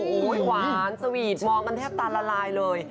โอ้โหหวานสวีทมองกันแทบตาละลายเลย